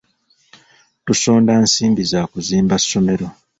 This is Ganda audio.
Tusonda nsimbi za kuzimba ssomero.